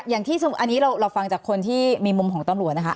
อย่างที่สมมติอันนี้เราฟังจากคนที่มีมุมของต้นหลวนนะครับ